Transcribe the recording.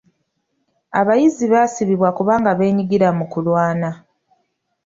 Abayizi baasibibwa kubanga beenyigira mu kulwana.